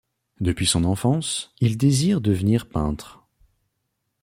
Depuis son enfance, il désire devenir peintre.